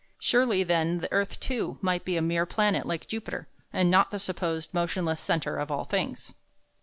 Surely, then, the earth, too, might be a mere planet like Jupiter, and not the supposed motionless centre of all things.